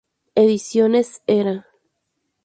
Ediciones Era.